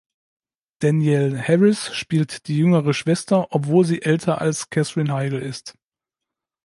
Danielle Harris spielt die jüngere Schwester, obwohl sie älter als Katherine Heigl ist.